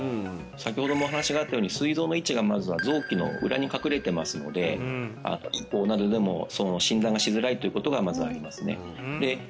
先ほどもお話があったようにすい臓の位置がまずは臓器の裏に隠れてますのでエコーなどでも診断がしづらいっていうことがまずありますねで